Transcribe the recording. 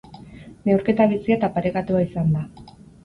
Neurketa bizia eta parekatua izan da.